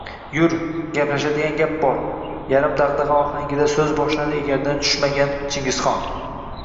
Yur, gaplashadigan gap bor, – yarim dagʻdagʻa ohangida soʻz boshladi egardan tushmagan Chingizxon.